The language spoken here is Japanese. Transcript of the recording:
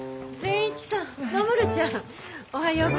おはよう。